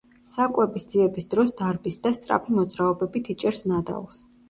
საკვების ძიების დროს დარბის და სწრაფი მოძრაობებით იჭერს ნადავლს.